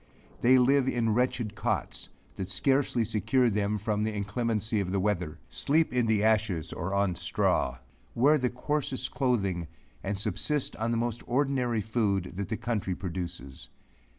They live in wretched cots, that scarcely secure them from the inclemency of the weather; sleep in the ashes or on straw, wear the coarsest clothing, and subsist on the most ordinary food that the country produces.